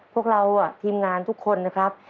พวกเราทีมงานทุกคนนะครับ